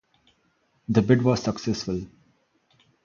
The bid was successful.